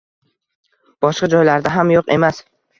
Boshqa joylarda ham yo'q emas